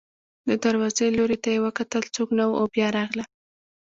د دروازې لوري ته یې وکتل، څوک نه و او بیا راغله.